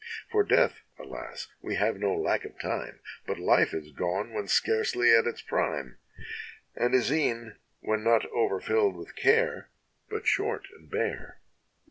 For Death, alas! we have no lack of time; But Life is gone, when scarcely at its prime, And is e'en, when not overfill'd with care But short and bare!'